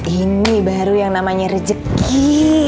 ini baru yang namanya rejeki